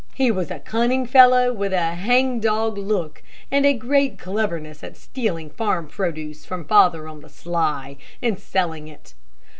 He was a cunning fellow, with a hangdog look, and a great cleverness at stealing farm produce from father on the sly, and selling it.